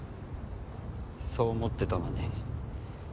そう思ってたのに。